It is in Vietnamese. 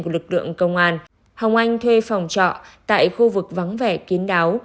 của lực lượng công an hồng anh thuê phòng trọ tại khu vực vắng vẻ kiến đáo